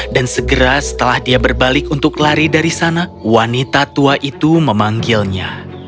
segera setelah dia berbalik untuk lari dari sana wanita tua itu memanggilnya